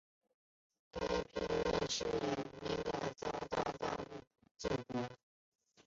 该片问世时因议题敏感遭到大陆禁播。